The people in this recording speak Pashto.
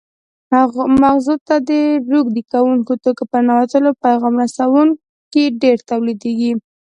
مغزو ته د روږدي کوونکو توکو په ننوتلو پیغام رسوونکي ډېر تولیدېږي.